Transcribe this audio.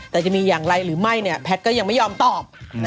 แต่จะมีอย่างไรหรือไม่เนี่ยแพทย์ก็ยังไม่ยอมตอบ